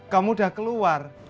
kamu udah keluar